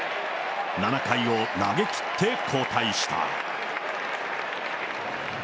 ７回を投げきって交代した。